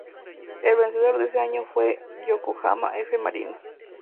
El vencedor de ese año fue Yokohama F. Marinos.